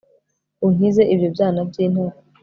unkize ibyo byana by'intare